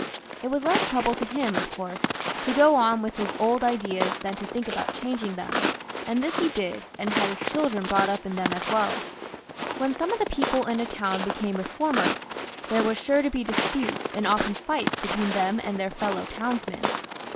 It was less trouble to him, of course, to go on with his old ideas than to think about changing them; and this he did, and had his children brought up in them as weU. When some of the people in a town became reformers, there were sure to be disputes and often fights between them and their fellow townsmen.